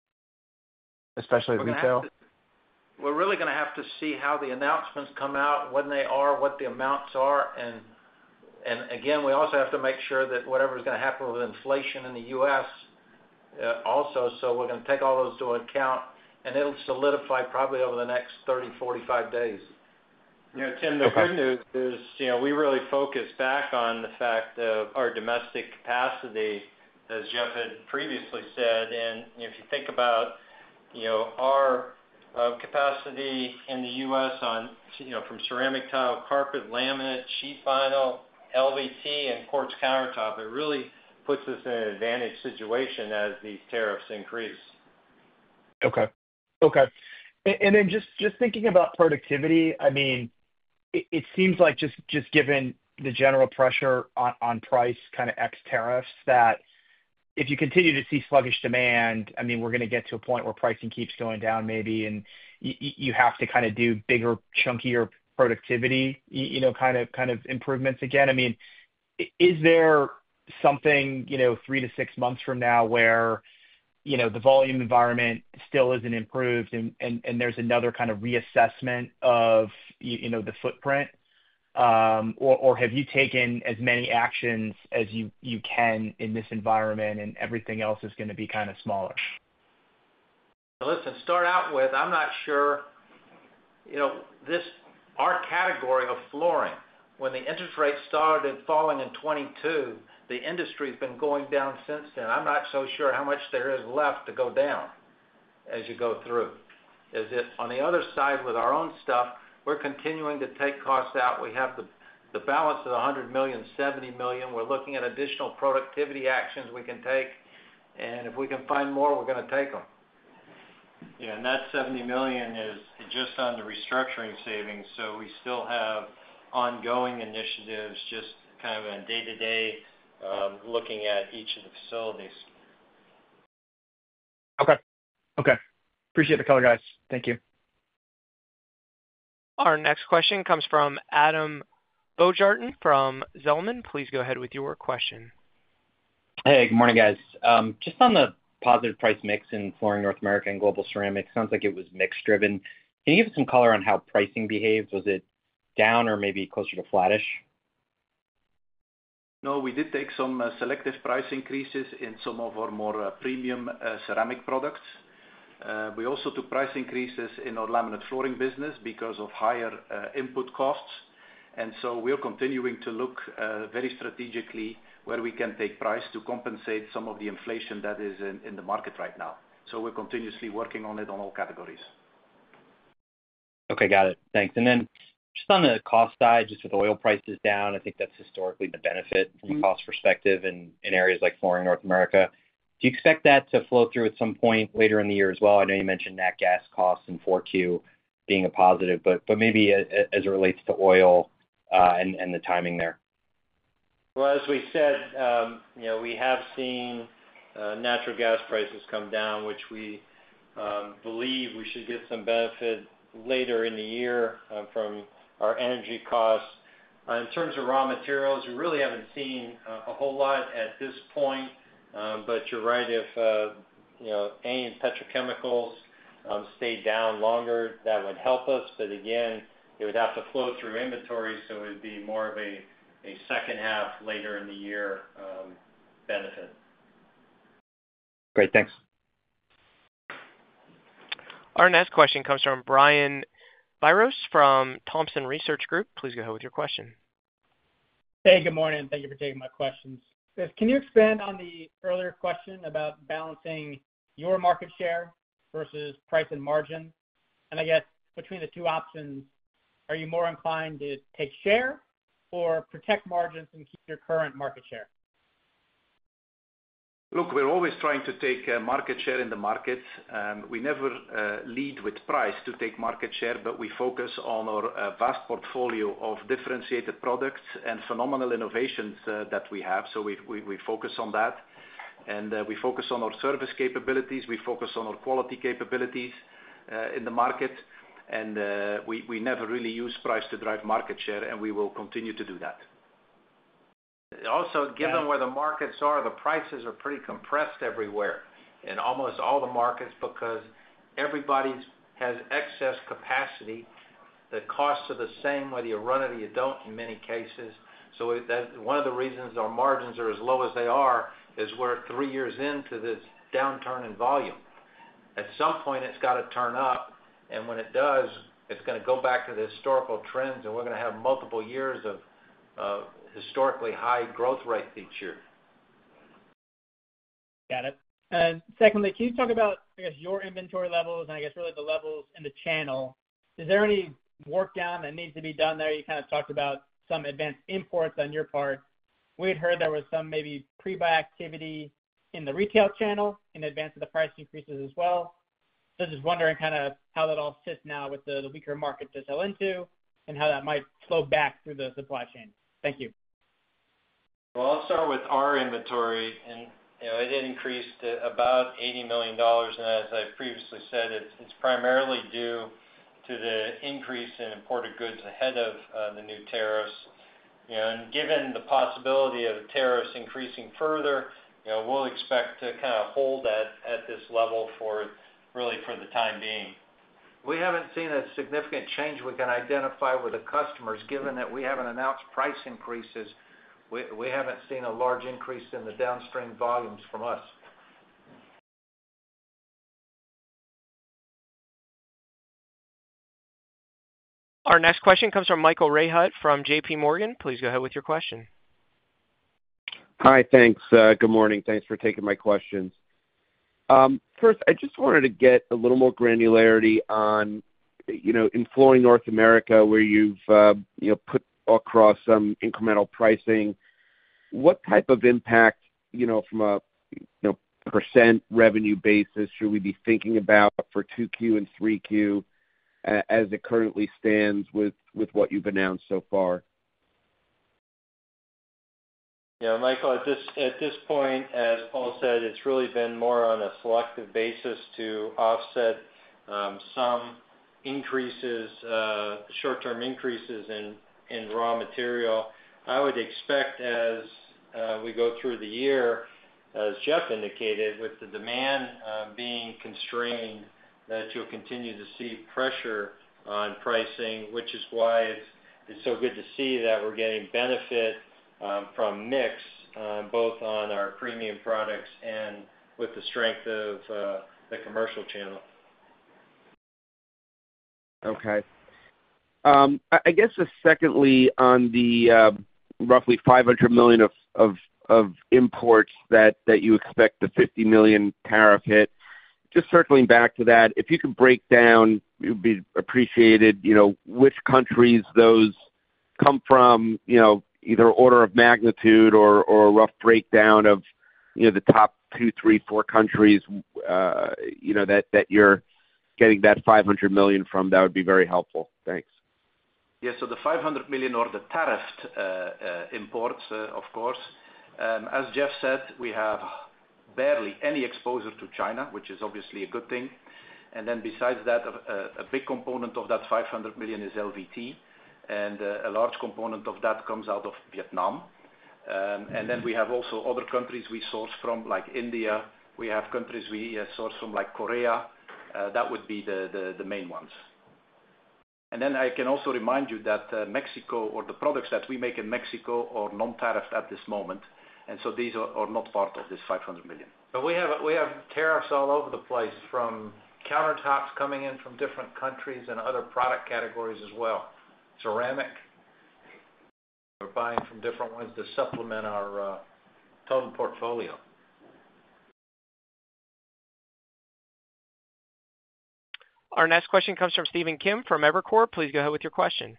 especially retail? We're really going to have to see how the announcements come out, when they are, what the amounts are. We also have to make sure that whatever's going to happen with inflation in the U.S. also. We're going to take all those to account, and it'll solidify probably over the next 30, 45 days. Tim, the good news is we really focus back on the fact of our domestic capacity, as Jeff had previously said. If you think about our capacity in the U.S. from ceramic tile, carpet, laminate, sheet vinyl, LVT, and quartz countertop, it really puts us in an advantage situation as these tariffs increase. Okay. Okay. And then just thinking about productivity, I mean, it seems like just given the general pressure on price kind of ex tariffs that if you continue to see sluggish demand, I mean, we're going to get to a point where pricing keeps going down maybe, and you have to kind of do bigger, chunkier productivity kind of improvements again. I mean, is there something three to six months from now where the volume environment still isn't improved and there's another kind of reassessment of the footprint? Or have you taken as many actions as you can in this environment and everything else is going to be kind of smaller? I'm not sure. Our category of flooring, when the interest rates started falling in 2022, the industry has been going down since then. I'm not so sure how much there is left to go down as you go through. On the other side with our own stuff, we're continuing to take costs out. We have the balance of $100 million, $70 million. We're looking at additional productivity actions we can take. If we can find more, we're going to take them. Yeah. That $70 million is just on the restructuring savings. We still have ongoing initiatives, just kind of a day-to-day looking at each of the facilities. Okay. Okay. Appreciate the color, guys. Thank you. Our next question comes from Adam Baumgarten from Zelman. Please go ahead with your question. Hey, good morning, guys. Just on the positive price mix in Flooring North America and Global Ceramic, it sounds like it was mix-driven. Can you give us some color on how pricing behaved? Was it down or maybe closer to flattish? No, we did take some selective price increases in some of our more premium ceramic products. We also took price increases in our laminate flooring business because of higher input costs. We are continuing to look very strategically where we can take price to compensate some of the inflation that is in the market right now. We are continuously working on it on all categories. Okay. Got it. Thanks. Just on the cost side, just with oil prices down, I think that's historically the benefit from a cost perspective in areas like Flooring North America. Do you expect that to flow through at some point later in the year as well? I know you mentioned natural gas costs and 4Q being a positive, but maybe as it relates to oil and the timing there. As we said, we have seen natural gas prices come down, which we believe we should get some benefit later in the year from our energy costs. In terms of raw materials, we really have not seen a whole lot at this point. You are right, if A and petrochemicals stayed down longer, that would help us. Again, it would have to flow through inventory, so it would be more of a second half later in the year benefit. Great. Thanks. Our next question comes from Brian Biros from Thompson Research Group. Please go ahead with your question. Hey, good morning. Thank you for taking my questions. Can you expand on the earlier question about balancing your market share versus price and margin? I guess between the two options, are you more inclined to take share or protect margins and keep your current market share? Look, we're always trying to take market share in the markets. We never lead with price to take market share, but we focus on our vast portfolio of differentiated products and phenomenal innovations that we have. We focus on that. We focus on our service capabilities. We focus on our quality capabilities in the market. We never really use price to drive market share, and we will continue to do that. Also, given where the markets are, the prices are pretty compressed everywhere in almost all the markets because everybody has excess capacity. The costs are the same, whether you run it or you do not in many cases. One of the reasons our margins are as low as they are is we are three years into this downturn in volume. At some point, it has got to turn up. When it does, it's going to go back to the historical trends, and we're going to have multiple years of historically high growth rate each year. Got it. Secondly, can you talk about, I guess, your inventory levels and I guess really the levels in the channel? Is there any work done that needs to be done there? You kind of talked about some advanced imports on your part. We had heard there was some maybe pre-buy activity in the retail channel in advance of the price increases as well. Just wondering kind of how that all sits now with the weaker market to sell into and how that might slow back through the supply chain. Thank you. I'll start with our inventory. It increased to about $80 million. As I previously said, it's primarily due to the increase in imported goods ahead of the new tariffs. Given the possibility of tariffs increasing further, we'll expect to kind of hold that at this level really for the time being. We haven't seen a significant change we can identify with the customers. Given that we haven't announced price increases, we haven't seen a large increase in the downstream volumes from us. Our next question comes from Michael Rehaut from JPMorgan. Please go ahead with your question. Hi. Thanks. Good morning. Thanks for taking my questions. First, I just wanted to get a little more granularity on in Flooring North America where you've put across some incremental pricing, what type of impact from a percent revenue basis should we be thinking about for 2Q and 3Q as it currently stands with what you've announced so far? Yeah. Michael, at this point, as Paul said, it's really been more on a selective basis to offset some increases, short-term increases in raw material. I would expect as we go through the year, as Jeff indicated, with the demand being constrained, that you'll continue to see pressure on pricing, which is why it's so good to see that we're getting benefit from mix both on our premium products and with the strength of the commercial channel. Okay. I guess secondly, on the roughly $500 million of imports that you expect the $50 million tariff hit, just circling back to that, if you could break down, it would be appreciated which countries those come from, either order of magnitude or a rough breakdown of the top two, three, four countries that you're getting that $500 million from, that would be very helpful. Thanks. Yeah. The $500 million are the tariffed imports, of course. As Jeff said, we have barely any exposure to China, which is obviously a good thing. Besides that, a big component of that $500 million is LVT, and a large component of that comes out of Vietnam. We also have other countries we source from, like India. We have countries we source from, like Korea. That would be the main ones. I can also remind you that Mexico or the products that we make in Mexico are non-tariffed at this moment. These are not part of this $500 million. We have tariffs all over the place from countertops coming in from different countries and other product categories as well. Ceramic, we are buying from different ones to supplement our total portfolio. Our next question comes from Stephen Kim from Evercore. Please go ahead with your question.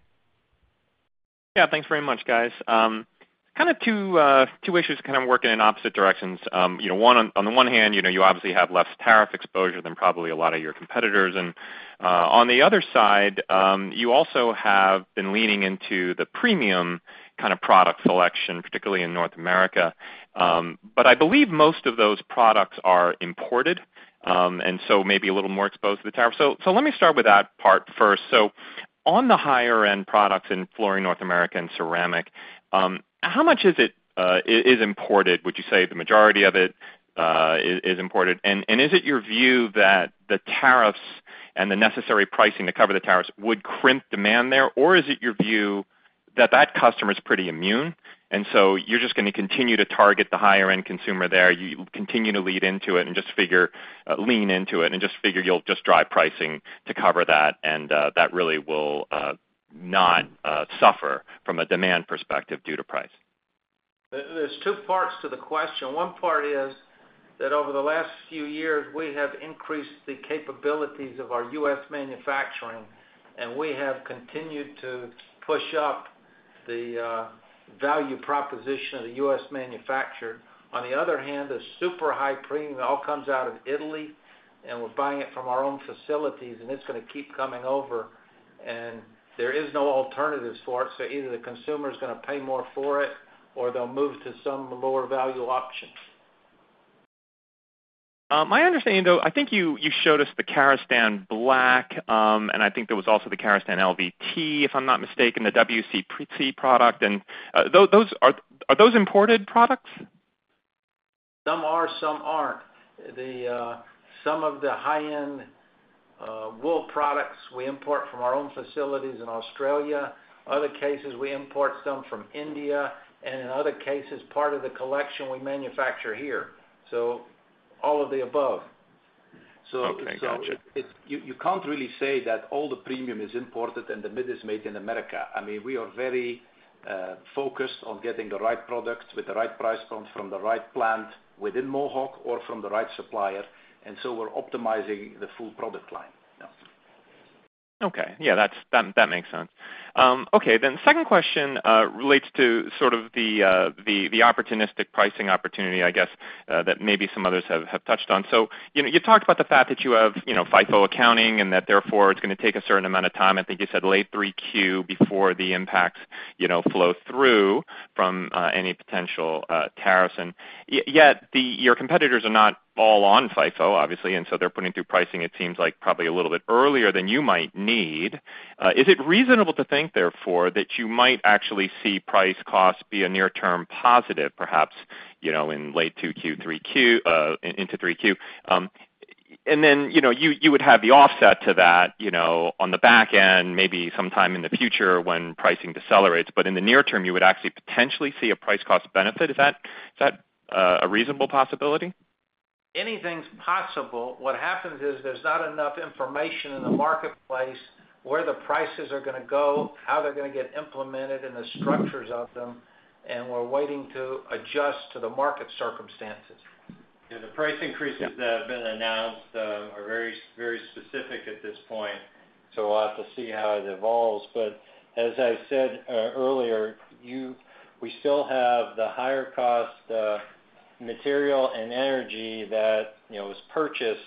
Yeah. Thanks very much, guys. Kind of two issues kind of working in opposite directions. One, on the one hand, you obviously have less tariff exposure than probably a lot of your competitors. On the other side, you also have been leaning into the premium kind of product selection, particularly in North America. I believe most of those products are imported, and so maybe a little more exposed to the tariff. Let me start with that part first. On the higher-end products in Flooring North America and Ceramic, how much is imported? Would you say the majority of it is imported? Is it your view that the tariffs and the necessary pricing to cover the tariffs would crimp demand there? Is it your view that that customer is pretty immune? You're just going to continue to target the higher-end consumer there, continue to lead into it and just figure, lean into it, and just figure you'll just drive pricing to cover that, and that really will not suffer from a demand perspective due to price? There's two parts to the question. One part is that over the last few years, we have increased the capabilities of our U.S. manufacturing, and we have continued to push up the value proposition of the U.S. manufacturer. On the other hand, the super high premium all comes out of Italy, and we're buying it from our own facilities, and it's going to keep coming over. There are no alternatives for it. Either the consumer is going to pay more for it or they'll move to some lower-value option. My understanding, though, I think you showed us the Karastan Black, and I think there was also the Karastan LVT, if I'm not mistaken, the WC PVC-free product. And are those imported products? Some are, some aren't. Some of the high-end wool products we import from our own facilities in Australia. In other cases, we import some from India. In other cases, part of the collection we manufacture here. All of the above. You can't really say that all the premium is imported and the mid is made in America. I mean, we are very focused on getting the right products with the right price point from the right plant within Mohawk or from the right supplier. We are optimizing the full product line. Okay. Yeah. That makes sense. Okay. The second question relates to sort of the opportunistic pricing opportunity, I guess, that maybe some others have touched on. You talked about the fact that you have FIFO accounting and that therefore it's going to take a certain amount of time. I think you said late 3Q before the impacts flow through from any potential tariffs. Yet your competitors are not all on FIFO, obviously, and so they're putting through pricing, it seems like, probably a little bit earlier than you might need. Is it reasonable to think, therefore, that you might actually see price costs be a near-term positive, perhaps, in late 2Q, 3Q, into 3Q? You would have the offset to that on the back end, maybe sometime in the future when pricing decelerates. In the near term, you would actually potentially see a price cost benefit. Is that a reasonable possibility? Anything's possible. What happens is there's not enough information in the marketplace where the prices are going to go, how they're going to get implemented, and the structures of them. We're waiting to adjust to the market circumstances. Yeah. The price increases that have been announced are very specific at this point. We will have to see how it evolves. As I said earlier, we still have the higher-cost material and energy that was purchased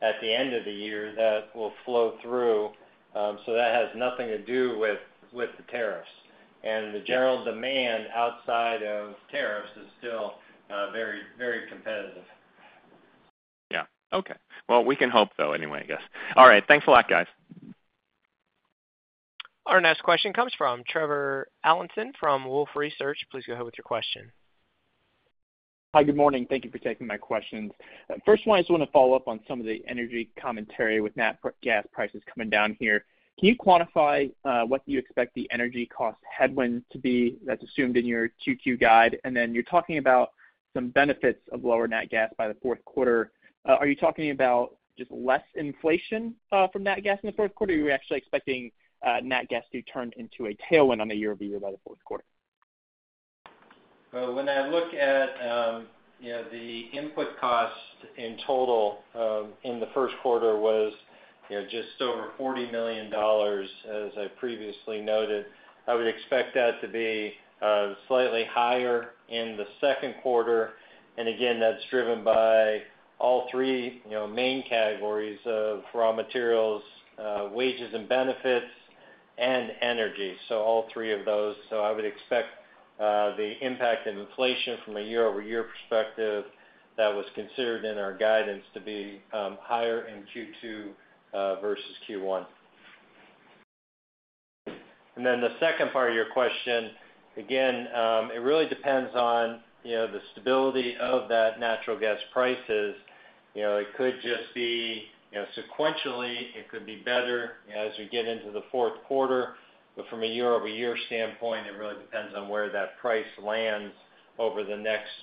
at the end of the year that will flow through. That has nothing to do with the tariffs. The general demand outside of tariffs is still very competitive. Yeah. Okay. We can hope, though, anyway, I guess. All right. Thanks a lot, guys. Our next question comes from Trevor Allinson from Wolfe Research. Please go ahead with your question. Hi. Good morning. Thank you for taking my questions. First, I just want to follow up on some of the energy commentary with natural gas prices coming down here. Can you quantify what you expect the energy cost headwinds to be that's assumed in your 2Q guide? You are talking about some benefits of lower natural gas by the fourth quarter. Are you talking about just less inflation from natural gas in the fourth quarter, or are you actually expecting natural gas to turn into a tailwind on the year-over-year by the fourth quarter? When I look at the input costs in total, in the first quarter was just over $40 million, as I previously noted. I would expect that to be slightly higher in the second quarter. Again, that's driven by all three main categories of raw materials, wages and benefits, and energy. All three of those. I would expect the impact of inflation from a year-over-year perspective that was considered in our guidance to be higher in Q2 versus Q1. The second part of your question, again, it really depends on the stability of that natural gas prices. It could just be sequentially. It could be better as we get into the fourth quarter. From a year-over-year standpoint, it really depends on where that price lands over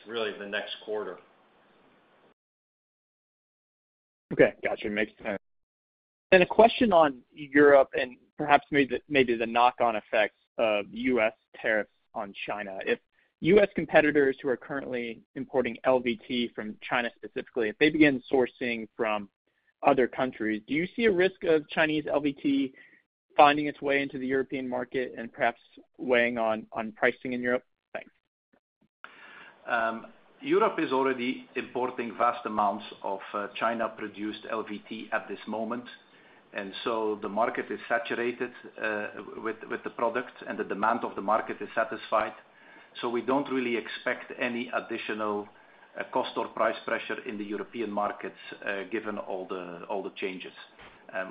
really the next quarter. Okay. Gotcha. Makes sense. A question on Europe and perhaps maybe the knock-on effects of U.S. tariffs on China. If U.S. competitors who are currently importing LVT from China specifically, if they begin sourcing from other countries, do you see a risk of Chinese LVT finding its way into the European market and perhaps weighing on pricing in Europe? Thanks. Europe is already importing vast amounts of China-produced LVT at this moment. The market is saturated with the products, and the demand of the market is satisfied. We do not really expect any additional cost or price pressure in the European markets given all the changes.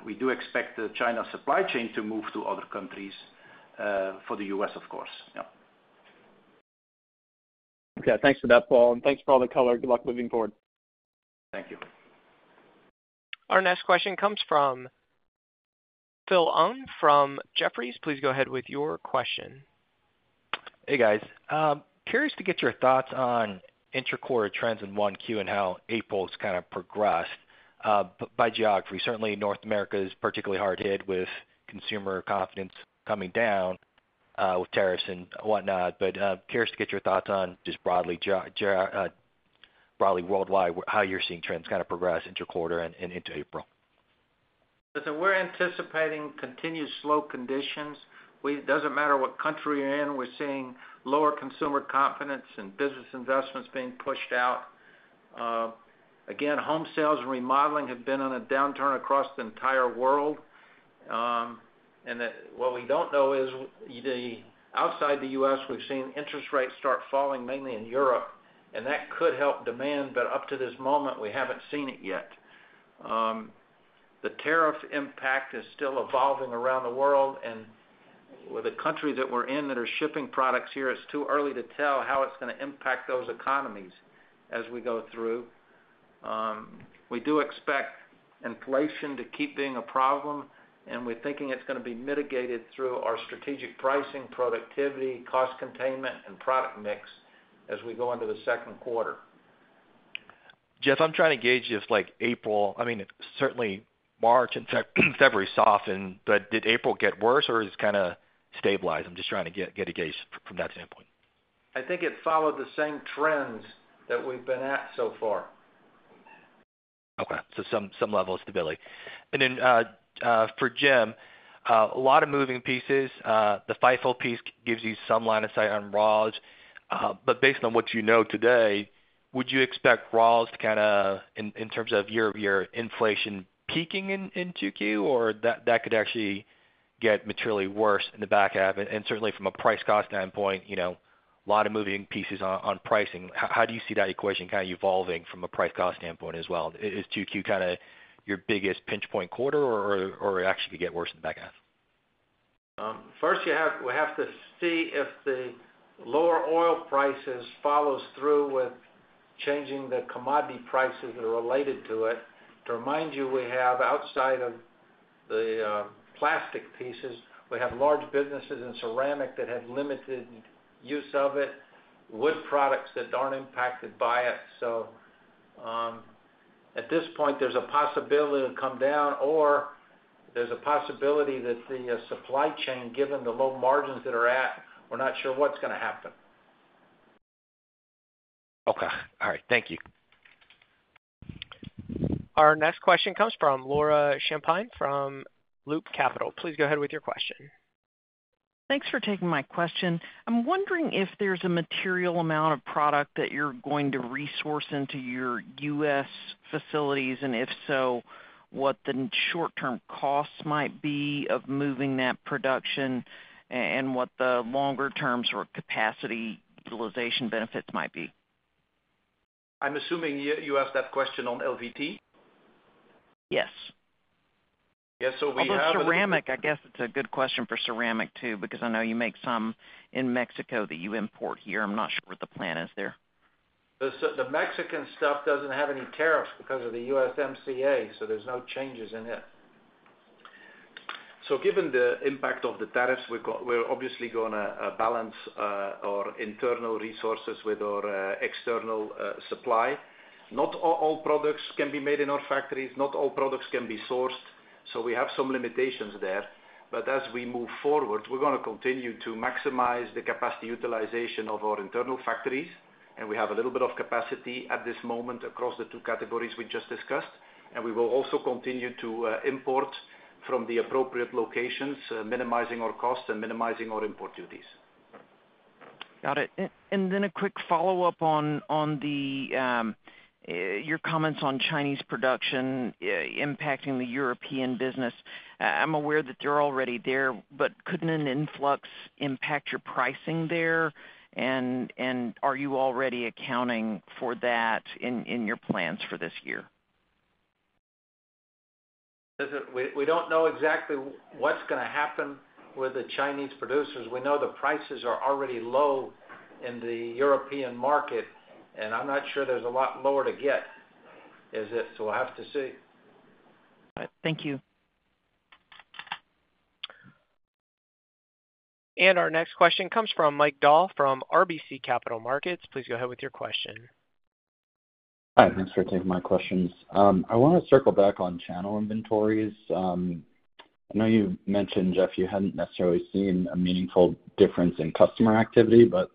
We do expect the China supply chain to move to other countries for the U.S., of course. Yeah. Okay. Thanks for that, Paul. Thanks for all the color. Good luck moving forward. Thank you. Our next question comes from Phil Ng from Jefferies. Please go ahead with your question. Hey, guys. Curious to get your thoughts on intra-quarter trends in 1Q and how April's kind of progressed by geography. Certainly, North America is particularly hard hit with consumer confidence coming down with tariffs and whatnot. Curious to get your thoughts on just broadly worldwide, how you're seeing trends kind of progress intra-quarter and into April. Listen, we're anticipating continued slow conditions. It doesn't matter what country you're in. We're seeing lower consumer confidence and business investments being pushed out. Again, home sales and remodeling have been on a downturn across the entire world. What we don't know is outside the U.S., we've seen interest rates start falling mainly in Europe, and that could help demand. Up to this moment, we haven't seen it yet. The tariff impact is still evolving around the world. With the country that we're in that are shipping products here, it's too early to tell how it's going to impact those economies as we go through. We do expect inflation to keep being a problem, and we're thinking it's going to be mitigated through our strategic pricing, productivity, cost containment, and product mix as we go into the second quarter. Jeff, I'm trying to gauge if April, I mean, certainly March, in fact, February softened. Did April get worse, or has it kind of stabilized? I'm just trying to get a gauge from that standpoint. I think it followed the same trends that we've been at so far. Okay. Some level of stability. For Jim, a lot of moving pieces. The FIFO piece gives you some line of sight on raws. Based on what you know today, would you expect raws to, in terms of year-over-year inflation, peak in 2Q, or could that actually get materially worse in the back half? Certainly, from a price cost standpoint, a lot of moving pieces on pricing. How do you see that equation evolving from a price cost standpoint as well? Is 2Q your biggest pinch-point quarter, or could it actually get worse in the back half? First, we have to see if the lower oil prices follow through with changing the commodity prices that are related to it. To remind you, we have, outside of the plastic pieces, we have large businesses in ceramic that have limited use of it, wood products that are not impacted by it. At this point, there is a possibility it will come down, or there is a possibility that the supply chain, given the low margins that are at, we are not sure what is going to happen. Okay. All right. Thank you. Our next question comes from Laura Champine from Loop Capital. Please go ahead with your question. Thanks for taking my question. I'm wondering if there's a material amount of product that you're going to resource into your U.S. facilities, and if so, what the short-term costs might be of moving that production and what the longer-term sort of capacity utilization benefits might be. I'm assuming you asked that question on LVT? Yes. Yeah. We have a. Ceramic, I guess it's a good question for Ceramic too because I know you make some in Mexico that you import here. I'm not sure what the plan is there. The Mexican stuff does not have any tariffs because of the USMCA, so there is no changes in it. Given the impact of the tariffs, we are obviously going to balance our internal resources with our external supply. Not all products can be made in our factories. Not all products can be sourced. We have some limitations there. As we move forward, we are going to continue to maximize the capacity utilization of our internal factories. We have a little bit of capacity at this moment across the two categories we just discussed. We will also continue to import from the appropriate locations, minimizing our costs and minimizing our import duties. Got it. A quick follow-up on your comments on Chinese production impacting the European business. I'm aware that they're already there, but couldn't an influx impact your pricing there? Are you already accounting for that in your plans for this year? Listen, we don't know exactly what's going to happen with the Chinese producers. We know the prices are already low in the European market, and I'm not sure there's a lot lower to get. We will have to see. All right. Thank you. Our next question comes from Mike Dahl from RBC Capital Markets. Please go ahead with your question. Hi. Thanks for taking my questions. I want to circle back on channel inventories. I know you mentioned, Jeff, you hadn't necessarily seen a meaningful difference in customer activity, but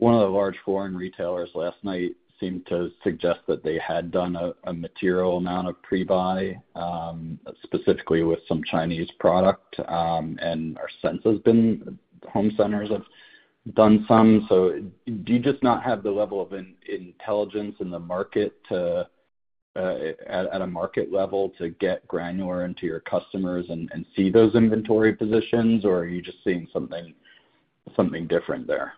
one of the large flooring retailers last night seemed to suggest that they had done a material amount of pre-buy, specifically with some Chinese product. Our sense has been home centers have done some. Do you just not have the level of intelligence in the market at a market level to get granular into your customers and see those inventory positions, or are you just seeing something different there?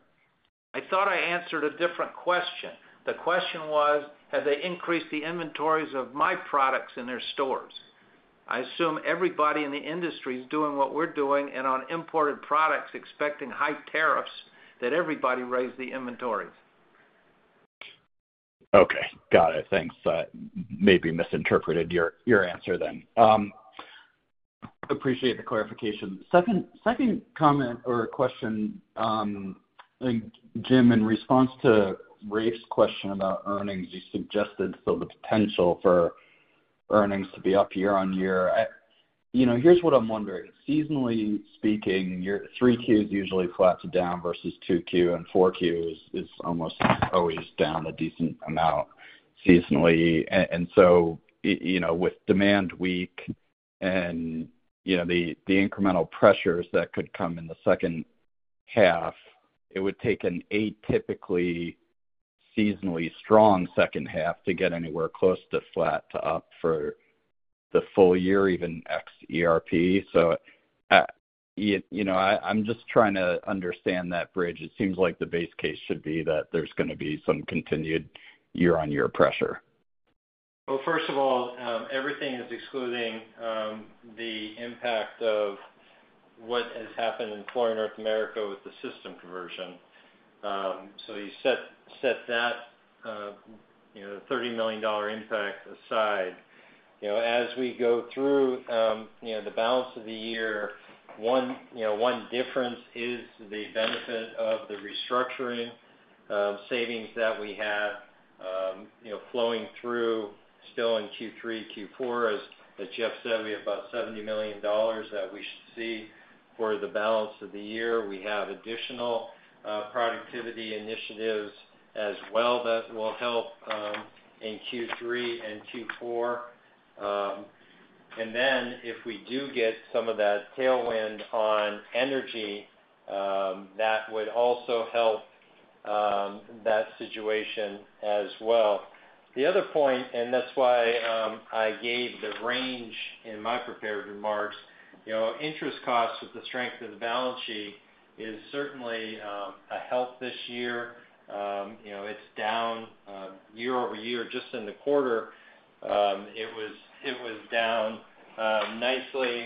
I thought I answered a different question. The question was, have they increased the inventories of my products in their stores? I assume everybody in the industry is doing what we're doing and on imported products expecting high tariffs that everybody raised the inventories. Okay. Got it. Thanks. Maybe misinterpreted your answer then. Appreciate the clarification. Second comment or question, Jim, in response to Rafe's question about earnings, you suggested the potential for earnings to be up year-on-year. Here's what I'm wondering. Seasonally speaking, 3Q is usually flat to down versus 2Q, and 4Q is almost always down a decent amount seasonally. With demand weak and the incremental pressures that could come in the second half, it would take an atypically seasonally strong second half to get anywhere close to flat to up for the full year, even ex-ERP. I'm just trying to understand that bridge. It seems like the base case should be that there's going to be some continued year-on-year pressure. First of all, everything is excluding the impact of what has happened in Flooring North America with the system conversion. You set that $30 million impact aside. As we go through the balance of the year, one difference is the benefit of the restructuring savings that we have flowing through still in Q3, Q4. As Jeff said, we have about $70 million that we should see for the balance of the year. We have additional productivity initiatives as well that will help in Q3 and Q4. If we do get some of that tailwind on energy, that would also help that situation as well. The other point, and that is why I gave the range in my prepared remarks, interest costs with the strength of the balance sheet is certainly a help this year. It is down year-over-year. Just in the quarter, it was down nicely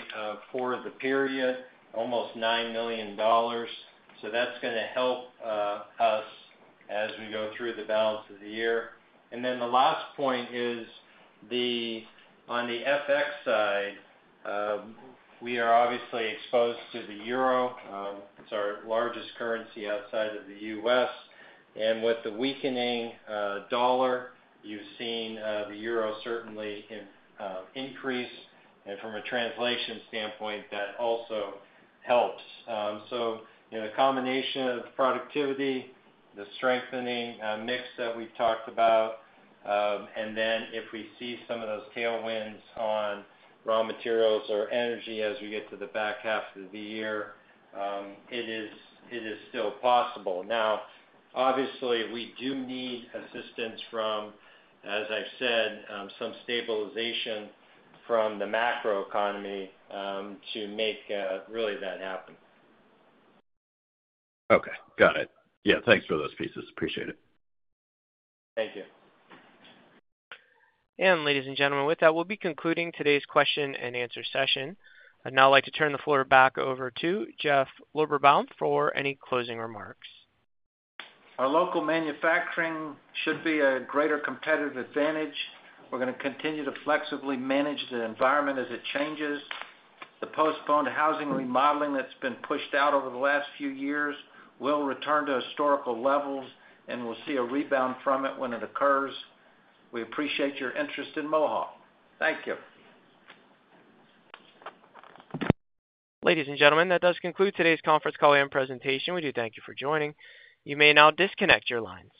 for the period, almost $9 million. That is going to help us as we go through the balance of the year. The last point is on the FX side, we are obviously exposed to the euro. It is our largest currency outside of the U.S. With the weakening dollar, you have seen the euro certainly increase. From a translation standpoint, that also helps. The combination of productivity, the strengthening mix that we have talked about, and if we see some of those tailwinds on raw materials or energy as we get to the back half of the year, it is still possible. Obviously, we do need assistance from, as I have said, some stabilization from the macro economy to make really that happen. Okay. Got it. Yeah. Thanks for those pieces. Appreciate it. Thank you. Ladies and gentlemen, with that, we'll be concluding today's question and answer session. I'd now like to turn the floor back over to Jeff Lorberbaum for any closing remarks. Our local manufacturing should be a greater competitive advantage. We're going to continue to flexibly manage the environment as it changes. The postponed housing remodeling that's been pushed out over the last few years will return to historical levels, and we'll see a rebound from it when it occurs. We appreciate your interest in Mohawk. Thank you. Ladies and gentlemen, that does conclude today's conference call and presentation. We do thank you for joining. You may now disconnect your lines.